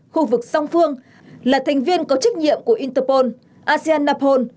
khu vực song phương là thành viên có trách nhiệm của interpol asean napol